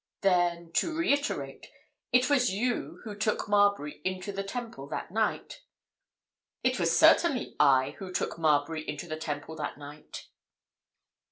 "Then—to reiterate—it was you who took Marbury into the Temple that night?" "It was certainly I who took Marbury into the Temple that night."